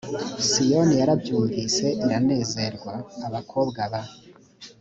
siyoni yarabyumvise iranezerwa abakobwa ba